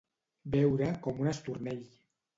Beure com un estornell.